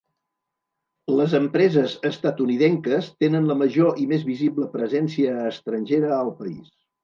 Les empreses estatunidenques tenen la major i més visible presència estrangera al país.